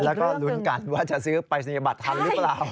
แล้วก็ลุ้นกันว่าจะซื้อปรายศนียบัตรทันหรือเปล่า